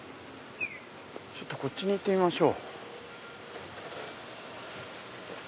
ちょっとこっちに行ってみましょう。